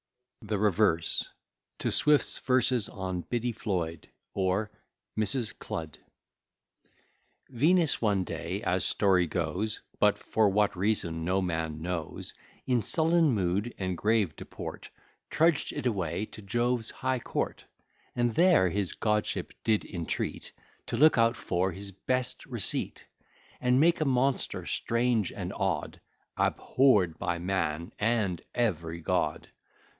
THE REVERSE (TO SWIFT'S VERSES ON BIDDY FLOYD); OR, MRS. CLUDD Venus one day, as story goes, But for what reason no man knows, In sullen mood and grave deport, Trudged it away to Jove's high court; And there his Godship did entreat To look out for his best receipt: And make a monster strange and odd, Abhorr'd by man and every god.